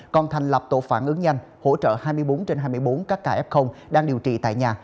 còn thành lập tổ phản ứng nhanh hỗ trợ hai mươi bốn trên hai mươi bốn các ca f đang điều trị tại nhà